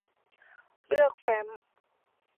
เลือกแฟ้ม